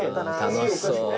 楽しそう。